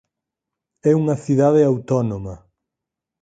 É unha cidade autónoma.